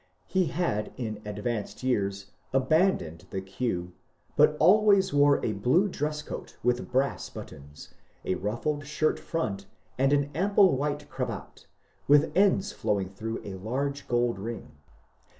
He had in advanced years abandoned the queue, but always wore a blue dress coat with brass buttons, a rufiBed shirt front, and an ample white cravat, with ends flowing through a large gold ring.